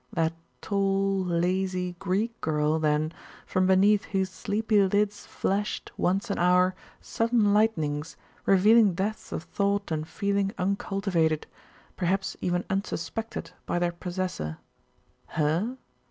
That tall, lazy Greek girl, then, from beneath whose sleepy lids flashed, once an hour, sudden lightnings, revealing depths of thought and feeling uncultivated, perhaps even unsuspected, by their possessor. Her?